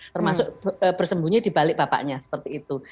termasuk bersembunyi di balik bapaknya seperti itu